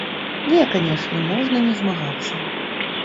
Не, канешне, можна не змагацца.